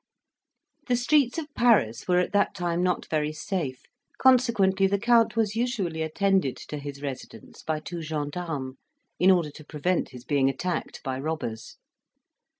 The streets of Paris were at that time not very safe; consequently the Count was usually attended to his residence by two gensdarmes, in order to prevent his being attacked by robbers.